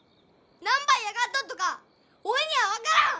何ば嫌がっとっとかおいには分からん！